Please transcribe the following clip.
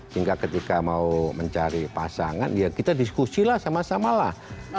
hingga ketika mau mencari pasangan ya kita diskusi lah sama samalah